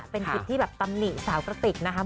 เป็นคลิปที่แบบตำหนิสาวกระติกนะครับ